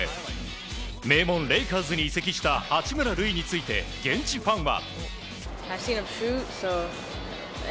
名門レイカーズに移籍した八村塁について現地ファンは。